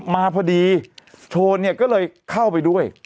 มาพอดีโชนเนี่ยก็เลยเข้าไปด้วย